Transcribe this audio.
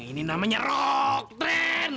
ini namanya rock trend